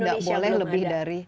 tidak boleh lebih dari